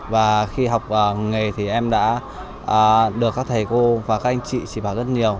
đi học nghề thì em đã được các thầy cô và các anh chị chỉ bảo rất nhiều